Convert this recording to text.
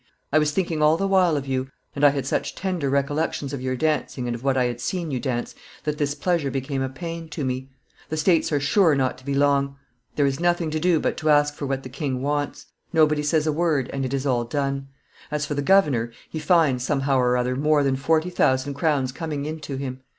I was thinking all the while of you, and I had such tender recollections of your dancing and of what I had seen you dance, that this pleasure became a pain to me. The States are sure not to be long; there is nothing to do but to ask for what the king wants; nobody says a word, and it is all done. As for the governor, he finds, somehow or other, more than forty thousand crowns coming in to him.